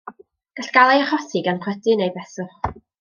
Gall gael ei achosi gan chwydu neu beswch.